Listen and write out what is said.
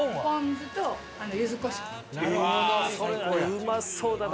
うまそうだな！